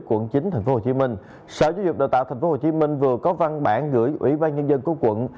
quận chín tp hcm sở giáo dục đào tạo tp hcm vừa có văn bản gửi ủy ban nhân dân của quận